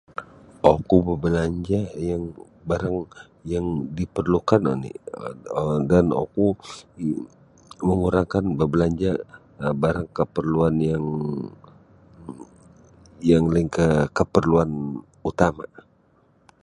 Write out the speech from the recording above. Oku babalanja' yang barang yang diperlukan oni' um dan oku um mengurangkan babalanja' um barang kaparluan yang um yang lainkah kaparluan utama'.